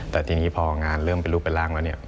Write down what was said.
แต่ทีนี้พองานเริ่มเป็นรูปเป็นร่างแล้วเนี่ย